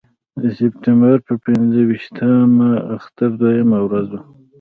د سپټمبر پر پنځه ویشتمه اختر دویمه ورځ وه.